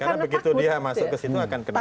karena begitu dia masuk ke situ akan ketahuan